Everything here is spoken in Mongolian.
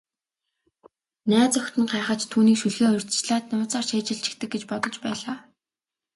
Найз охид нь гайхаж, түүнийг шүлгээ урьдчилаад нууцаар цээжилчихдэг гэж бодож байлаа.